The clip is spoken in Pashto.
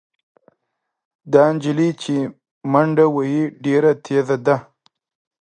دا نجلۍ چې منډه وهي ډېره تېزه ده.